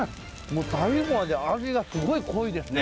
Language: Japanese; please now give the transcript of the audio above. もう最後まで味がすごい濃いですね。